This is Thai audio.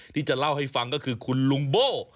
ที่จะเล่าให้ฟังก็คือคุณลุงโบ้